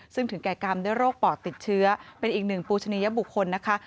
ซึ่งถึงแก่กรรมด้วยโรคปอดติดเชื้อเป็นอีกหนึ่งปูชนียบุคคลนะคะ